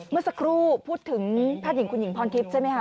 เมื่อสักครู่พูดถึงเภาะหญิงขุนหญิงพลทีพใช่ไหมฮะ